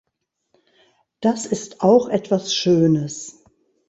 Das ist auch etwas Schönes!